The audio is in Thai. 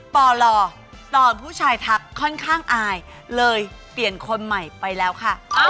ปลตอนผู้ชายทักค่อนข้างอายเลยเปลี่ยนคนใหม่ไปแล้วค่ะ